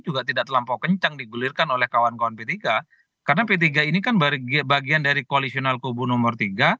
juga tidak terlampau kencang digulirkan oleh kawan kawan p tiga karena p tiga ini kan bagian dari koalisional kubu nomor tiga